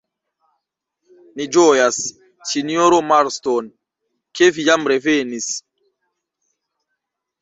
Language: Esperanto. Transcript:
Ni ĝojas, sinjoro Marston, ke vi jam revenis.